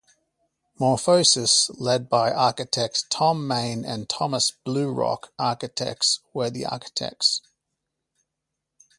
Morphosis, led by architect Thom Mayne, and Thomas Blurock Architects were the architects.